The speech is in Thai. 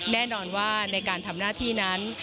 แน่นอนว่าในการทำหน้าที่นั้น